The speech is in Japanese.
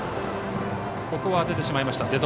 ここは当ててしまいました。